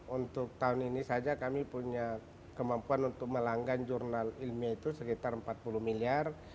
untuk tahun ini saja kami punya kemampuan untuk melanggar jurnal ilmiah itu sekitar empat puluh miliar